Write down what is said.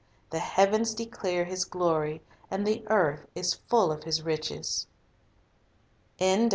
The heavens declare His glory, and the earth is full of His riches. •Matt.